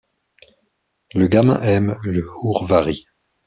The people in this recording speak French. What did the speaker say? Le gamin aime le hourvari.